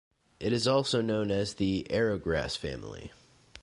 It is also known as the "arrowgrass" family.